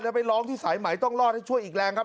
แล้วไปร้องที่สายไหมต้องรอดให้ช่วยอีกแรงครับ